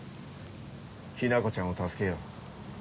ヒナコちゃんを助けよう。